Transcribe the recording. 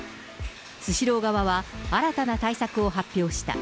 スシロー側は、新たな対策を発表した。